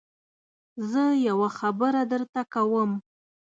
زه يوه خبره درته کوم.